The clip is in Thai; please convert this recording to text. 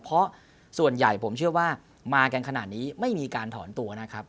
เพราะส่วนใหญ่ผมเชื่อว่ามากันขนาดนี้ไม่มีการถอนตัวนะครับ